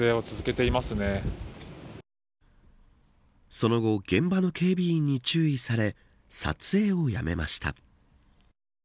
その後現場の警備員に注意され撮影をやめました。